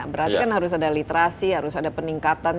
berarti kan harus ada literasi harus ada peningkatan